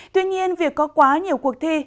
tuy nhiên việc có quá nhiều cuộc thi